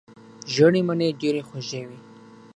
ژېړې مڼې ډېرې خوږې وي.